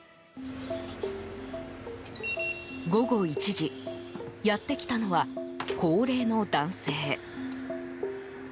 午後１時やってきたのは、高齢の男性。